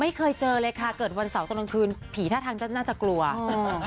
ไม่เคยเจอเลยค่ะเกิดวันเสาร์ตอนกลางคืนผีท่าทางจะน่าจะกลัวเออ